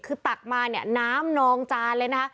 คือตักมาเนี่ยน้ำนองจานเลยนะคะ